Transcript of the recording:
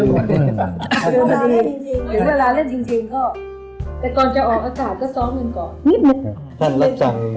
แล้วก็เล่นวันอาทิตย์